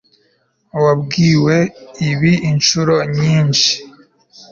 wabwiwe ibi inshuro nyinshi